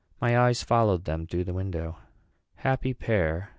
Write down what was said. My eyes followed them through the window. "Happy pair!"